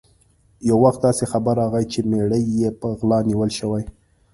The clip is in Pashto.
یو وخت داسې خبر راغی چې مېړه یې په غلا نیول شوی.